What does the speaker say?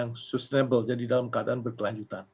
untuk membangun dunia ini dalam keadaan yang berkelanjutan